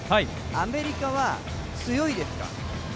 アメリカは強いですか？